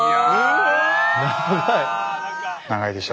長いでしょ。